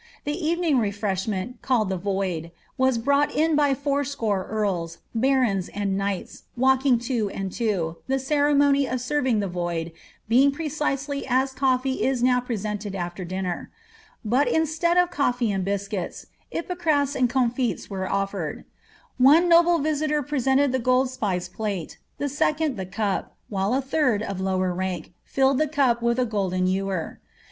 The evening refreshment, called the voide^ was brought in by fourscore earls, barons, lad knights, walking two and two, the ceremony of serving the voide Vmg precisely as cofiee is now presented after dinner ; but, instead of coflee and biscuits, ipocras and comfits were ofiered One noble ser vitor presented the golden spice plate, a second tht cup, while a third, of lower rank, filled the cup from a golden ewer.